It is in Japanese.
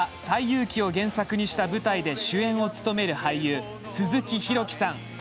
「最遊記」を原作にした舞台で主演を務める俳優鈴木拡樹さん。